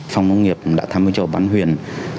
phòng công nghiệp đã tham gia cho bán huyền